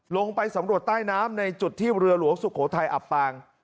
ลงไปสำรวจใต้น้ำในจุดที่เรือหลวงสุโขทัยอับปาง